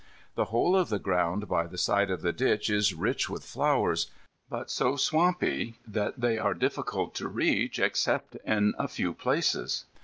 The whole of the ground by the side of the ditch is rich with flowers, but so swampy that they are difficult to reach, except at a few places.